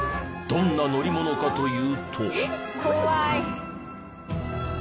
どんな乗り物かというと。